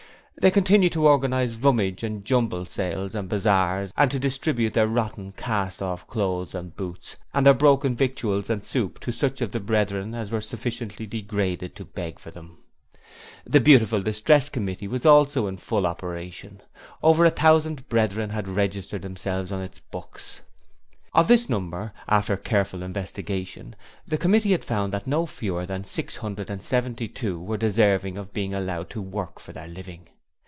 They continued to organize 'Rummage' and 'Jumble' sales and bazaars, and to distribute their rotten cast off clothes and boots and their broken victuals and soup to such of the Brethren as were sufficiently degraded to beg for them. The beautiful Distress Committee was also in full operation; over a thousand Brethren had registered themselves on its books. Of this number after careful investigation the committee had found that no fewer than six hundred and seventy two were deserving of being allowed to work for their living.